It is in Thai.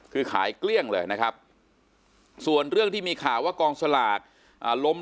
คือขายเกลี้ยงเลยนะครับส่วนเรื่องที่มีข่าวว่ากองสลากล้ม